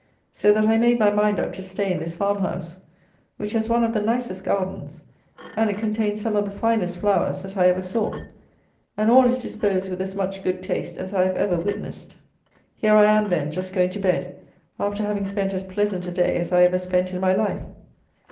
So that I made my mind up to stay in this farm house, which has one of the nicest gardens, and it contains some of the finest flowers, that I ever saw, and all is disposed with as much good taste as I have ever witnessed. Here I am, then, just going to bed after having spent as pleasant a day as I ever spent in my life.